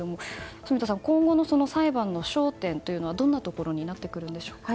住田さん、今後の裁判の焦点はどんなところになってくるんでしょうか。